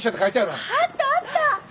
あったあった。